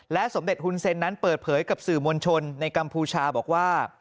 สมเด็จฮุนเซ็นนั้นเปิดเผยกับสื่อมวลชนในกัมพูชาบอกว่า